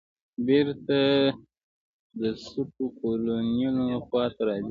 بېرته د سوټو کولونیلو خواته راځې.